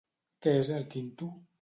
Què és el quinto?